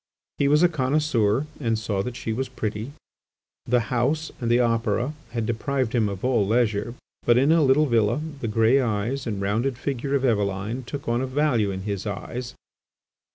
He was a connoisseur and saw that she was pretty. The House and the Opera had deprived him of all leisure, but, in a little villa, the grey eyes and rounded figure of Eveline took on a value in his eyes.